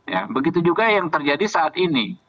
ya begitu juga yang terjadi saat ini